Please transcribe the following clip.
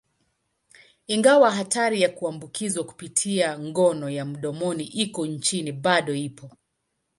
Ingawa hatari ya kuambukizwa kupitia ngono ya mdomoni iko chini, bado ipo.